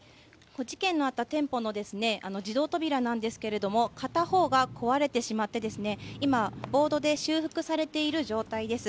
事件のあった店舗のですね、自動扉なんですけれども、片方が壊れてしまって、今、ボードで修復されている状態です。